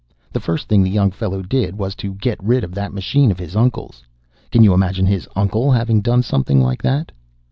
The first thing the young fellow did was to get rid of that machine of his uncle's. Can you imagine his uncle having done something like that?"